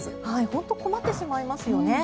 本当に困ってしまいますよね。